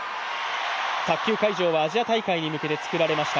卓球会場はアジア大会に向けてつくられました